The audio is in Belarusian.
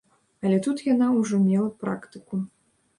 Але тут яна ўжо мела практыку.